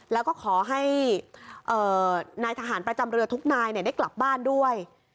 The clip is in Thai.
แล้วก็ขอให้นายทหารประจำเรือทุกนายได้กลับบ้านด้วย